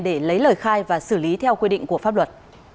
để lấy lời khai và xử lý theo quy định của pháp luật